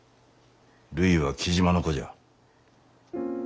るいは雉真の子じゃ。